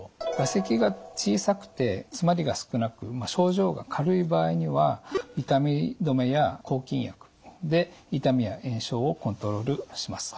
唾石が小さくてつまりが少なく症状が軽い場合には痛み止めや抗菌薬で痛みや炎症をコントロールします。